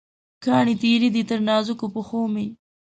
کاڼې تېره دي، تر نازکو پښومې